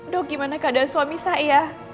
dok gimana keadaan suami saya